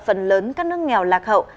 phần lớn các nước nghèo lạc hậu